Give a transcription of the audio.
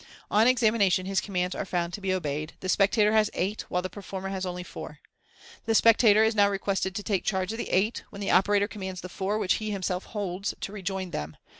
On examination his commands are found to be oheyed. The spectator has eight, while the performer has only four. Thsj spectator is now requested to take charge of the eight, when th<i operator commands the four which he himself holds to rejoin them.